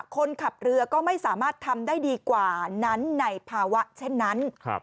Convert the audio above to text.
คนขับเรือก็ไม่สามารถทำได้ดีกว่านั้นในภาวะเช่นนั้น